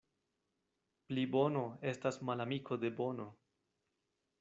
Plibono estas malamiko de bono.